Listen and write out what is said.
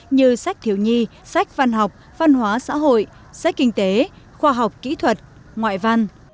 như sách thiếu nhi sách văn học văn hóa xã hội sách kinh tế khoa học kỹ thuật ngoại văn